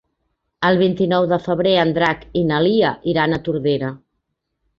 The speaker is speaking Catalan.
El vint-i-nou de febrer en Drac i na Lia iran a Tordera.